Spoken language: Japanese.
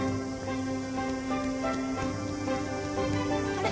あれ？